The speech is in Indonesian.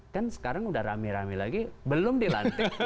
kan sekarang udah rame rame lagi belum dilantik